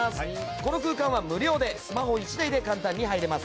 この空間は無料でスマホ１台で簡単に入れます。